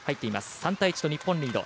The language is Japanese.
３対１と日本リード。